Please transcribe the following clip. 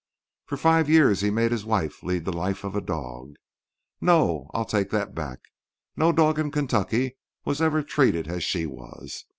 For five years he made his wife lead the life of a dog—No; I'll take that back. No dog in Kentucky was ever treated as she was.